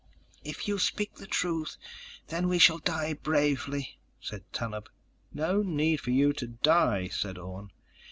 "If you speak the truth, then we shall die bravely," said Tanub. "No need for you to die," said Orne.